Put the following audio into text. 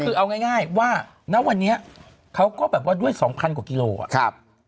ก็คือเอาง่ายว่าณวันนี้เขาก็แบบว่าด้วย๒๐๐๐กว่ากิโลกรัมครับ